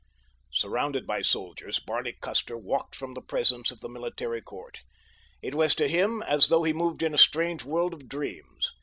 Surrounded by soldiers, Barney Custer walked from the presence of the military court. It was to him as though he moved in a strange world of dreams.